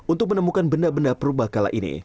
untuk menemukan benda benda perubah kala ini